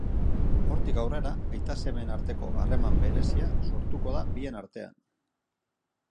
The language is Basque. Hortik aurrera, aita-semeen arteko harreman berezia sortuko da bien artean.